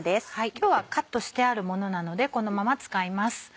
今日はカットしてあるものなのでこのまま使います。